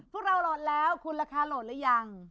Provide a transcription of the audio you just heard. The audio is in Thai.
พวกเราโหลดแล้วคุณราคาโหลดหรือยัง